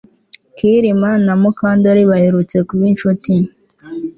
Kirima na Mukandoli baherutse kuba inshuti